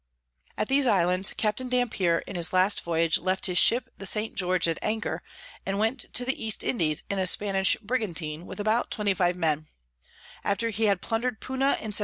At these Islands Capt. Dampier in his last Voyage left his Ship the St. George at anchor, and went to the East Indies in a Spanish Brigantine with about 25 Men: After he had plunder'd Puna in 1704.